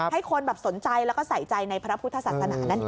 ให้คนแบบสนใจแล้วก็ใส่ใจในพระพุทธศาสนานั่นเอง